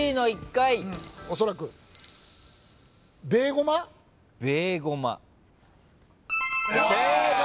おそらく。正解！